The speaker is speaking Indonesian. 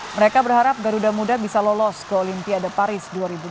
mereka berharap garuda muda bisa lolos ke olimpiade paris dua ribu dua puluh